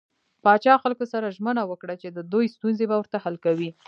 پاچا خلکو سره ژمنه وکړه چې د دوي ستونزې به ورته حل کوي .